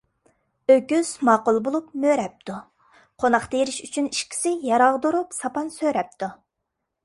ئۆكۈز ماقۇل بولۇپ مۆرەپتۇ. قوناق تېرىش ئۈچۈن ئىككىسى يەر ئاغدۇرۇپ ساپان سۆرەپتۇ.